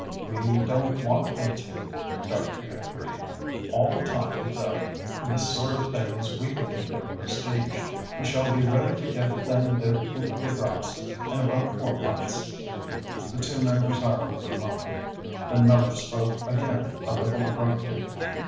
"We don't want them to," Dartrey agreed. "All the time, though, this sort of thing is weakening their prestige. We shall be ready to give them their coup de grace in about four months." The two men were silent for a moment. Then Miller spoke again a little abruptly.